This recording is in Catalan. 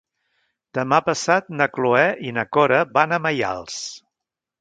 Demà passat na Cloè i na Cora van a Maials.